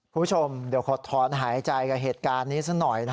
คุณผู้ชมเดี๋ยวขอถอนหายใจกับเหตุการณ์นี้ซะหน่อย